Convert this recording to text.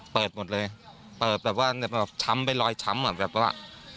เปิดหมดเลยเปิดแบบว่าช้ำไปรอยช้ำอ่ะแบบว่า